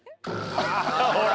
ほら！